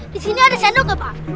di sini ada sendoknya pak